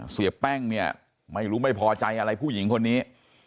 เสียแป้งเนี่ยไม่รู้ไม่พอใจอะไรผู้หญิงคนนี้